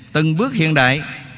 từng bước hiện đại